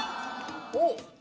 おっ。